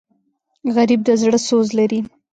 غریب د زړه سوز لري